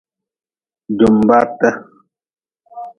Jumbate.